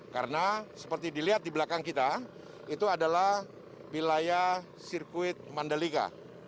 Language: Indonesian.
karena seperti dilihat di belakang kita itu adalah wilayah sirkuit mandalika